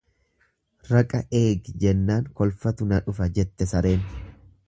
Raqa eegi jennaan kolfatu na dhufa jette sareen.